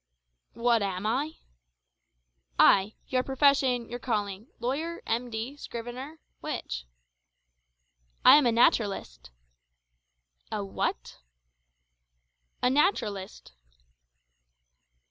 "What am I?" "Ay, your profession, your calling; lawyer, M.D., scrivener which?" "I am a naturalist." "A what?" "A naturalist."